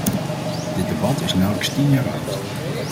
Dit debat is nauwelijks tien jaar oud.